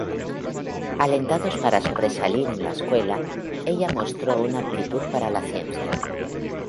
Alentados para sobresalir en la escuela, ella mostró una aptitud para la ciencia.